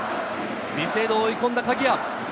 ビシエドを追い込んだ鍵谷。